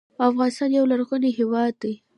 افغانستان یو لرغونی هیواد دی.